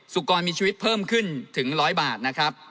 สุกรมีชีวิตเพิ่มขึ้นถึง๑๐๐บาทนะครับ